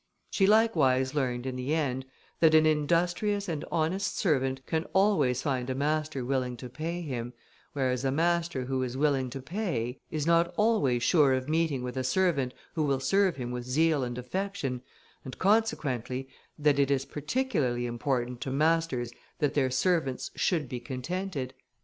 She likewise learned, in the end, that an industrious and honest servant can always find a master willing to pay him, whereas a master who is willing to pay, is not always sure of meeting with a servant who will serve him with zeal and affection, and consequently that it is particularly important to masters that their servants should be contented.